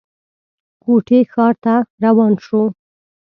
کوټې ښار ته روان شو.